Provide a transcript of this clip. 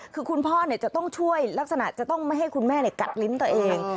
คือคุณพ่อจะต้องช่วยลักษณะจะต้องไม่ให้คุณแม่กัดลิ้นตัวเอง